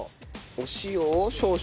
お塩を少々。